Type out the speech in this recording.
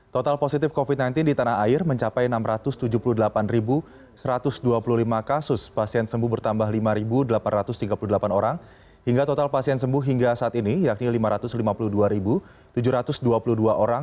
total positif covid sembilan belas di tanah air mencapai enam ratus tujuh puluh delapan satu ratus dua puluh lima kasus pasien sembuh bertambah lima delapan ratus tiga puluh delapan orang hingga total pasien sembuh hingga saat ini yakni lima ratus lima puluh dua tujuh ratus dua puluh dua orang